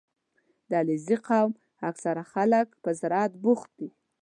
• د علیزي قوم اکثره خلک په زراعت بوخت دي.